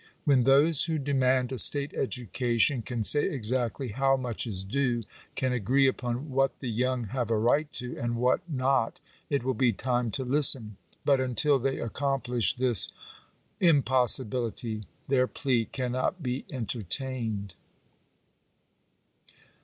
When those who demand a state education can say exactly how much is due — can agree upon what the young have a right to, and what not — it will be time to listen. But until they accomplish this impossibility, their plea cannot be entertained.